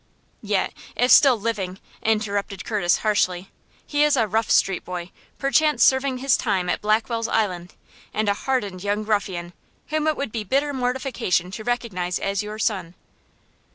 "Yet, if still living," interrupted Curtis, harshly, "he is a rough street boy, perchance serving his time at Blackwell's Island, and, a hardened young ruffian, whom it would be bitter mortification to recognize as your son."